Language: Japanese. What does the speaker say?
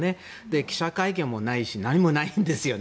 記者会見もないし何もないんですよね。